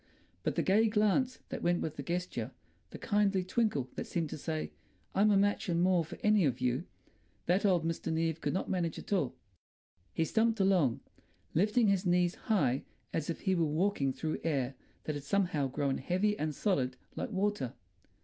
But the gay glance that went with the gesture, the kindly twinkle that seemed to say, "I'm a match and more for any of you"—that old Mr. Neave could not manage at all. He stumped along, lifting his knees high as if he were walking through air that had somehow grown heavy and solid like water.